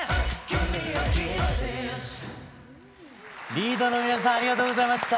Ｌｅａｄの皆さんありがとうございました。